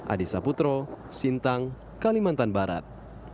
adisa putro sintang kalimantan barat